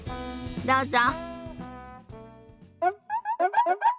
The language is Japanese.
どうぞ。